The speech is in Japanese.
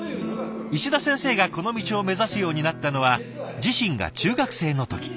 石田先生がこの道を目指すようになったのは自身が中学生の時。